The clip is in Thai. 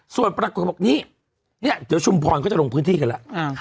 ส่วนปรากฏบอกนี่เนี่ยเดี๋ยวชุมพรเขาจะลงพื้นที่กันแล้ว